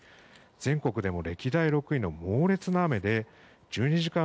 全国でも歴代６位の猛烈な雨で１２時間